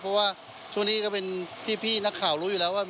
เพราะว่าช่วงนี้ก็เป็นที่พี่นักข่าวรู้อยู่แล้วว่า